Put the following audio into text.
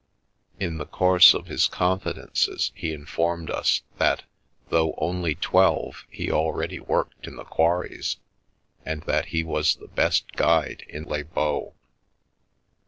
In the course of his confidences he informed us that though only twelve he already worked in the quarries and that he was the best guide in Les Baux.